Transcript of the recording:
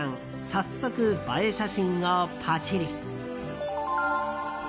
早速、映え写真をパチリ。